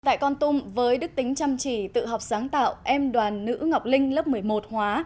tại con tum với đức tính chăm chỉ tự học sáng tạo em đoàn nữ ngọc linh lớp một mươi một hóa